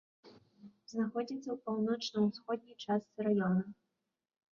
Знаходзіцца ў паўночна-ўсходняй частцы раёна.